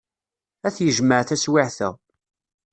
Ad t-yejmeɛ taswiɛt-a.